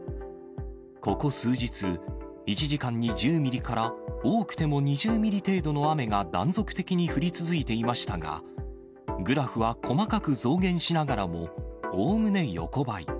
ここ数日、１時間に１０ミリから多くても２０ミリ程度の雨が断続的に降り続いていましたが、グラフは細かく増減しながらも、おおむね横ばい。